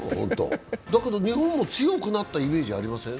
だけど、日本も強くなったイメージありません？